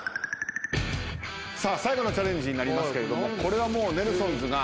最後のチャレンジになりますけれどもこれはもうネルソンズが。